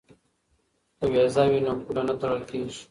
که ویزه وي نو پوله نه تړل کیږي.